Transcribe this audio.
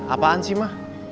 apaan sih ma